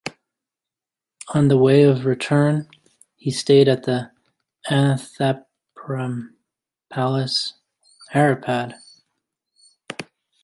On the way of return, he stayed at Ananthapuram Palace, Haripad.